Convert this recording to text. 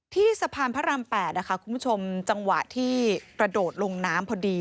สะพานพระราม๘นะคะคุณผู้ชมจังหวะที่กระโดดลงน้ำพอดี